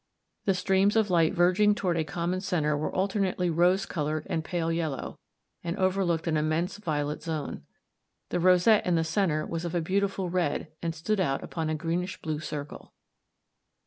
The streams of light verging toward a common center were alternately rose colored and pale yellow, and overlooked an immense violet zone. The rosette in the center was of a beautiful red, and stood out upon a greenish blue circle.